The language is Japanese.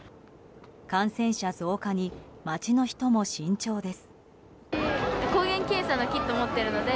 感染者増加に街の人も慎重です。